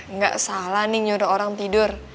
nggak salah nih nyuruh orang tidur